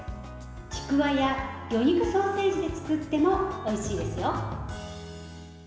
ちくわや魚肉ソーセージで作ってもおいしいですよ。